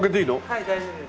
はい大丈夫です。